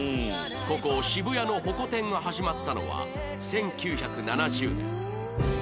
ここ渋谷のホコ天が始まったのは１９７０年